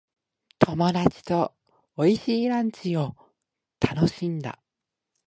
友達と美味しいランチを楽しんだ。